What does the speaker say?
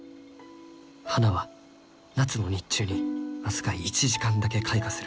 花は夏の日中に僅か１時間だけ開花する。